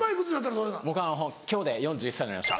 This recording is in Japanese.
僕あの今日で４１歳になりました。